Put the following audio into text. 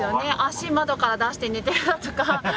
足窓から出して寝てるなとか。